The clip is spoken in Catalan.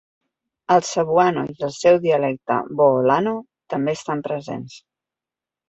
El cebuano i el seu dialecte boholano també estan presents.